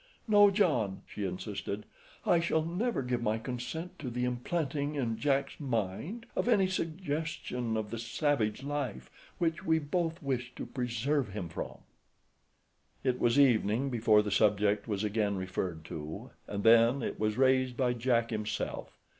"No, John," she insisted, "I shall never give my consent to the implanting in Jack's mind of any suggestion of the savage life which we both wish to preserve him from." It was evening before the subject was again referred to and then it was raised by Jack himself.